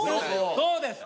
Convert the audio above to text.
そうですよ！